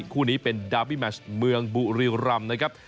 คู่นี้เป็นดาร์บี้แมชเมืองบุรีรำนะครับ